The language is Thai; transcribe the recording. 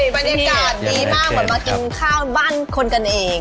บรรยากาศดีมากเหมือนมากินข้าวบ้านคนกันเอง